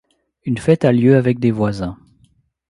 Une fête a lieu avec des voisins.